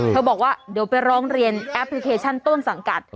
บอกว่าเดี๋ยวไปร้องเรียนแอปพลิเคชันต้นสังกัด